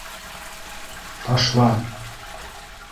Ташла!